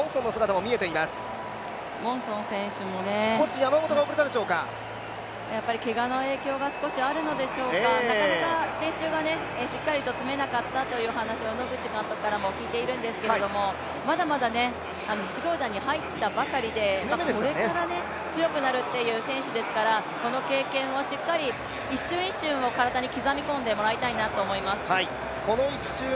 山本選手、けがの影響が少しあるのでしょうか、なかなか練習がしっかりと詰めなかったという話を野口監督からも聞いているんですけれどもまだまだ実業団に入ったばかりでこれから強くなるという選手ですから、この経験をしっかり、一瞬一瞬を体に刻み込んでいただきたいと思います。